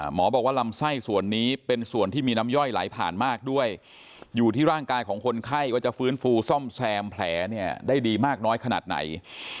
หมอบอกว่าลำไส้ส่วนนี้เป็นส่วนที่มีน้ำย่อยไหลผ่านมากด้วยอยู่ที่ร่างกายของคนไข้ว่าจะฟื้นฟูซ่อมแซมแผลเนี่ยได้ดีมากน้อยขนาดไหน